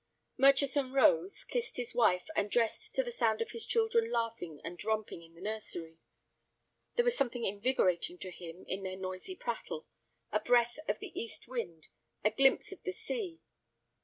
Murchison rose, kissed his wife, and dressed to the sound of his children laughing and romping in the nursery. There was something invigorating to him in their noisy prattle, a breath of the east wind, a glimpse of the sea.